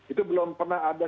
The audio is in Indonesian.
itu belum pernah ada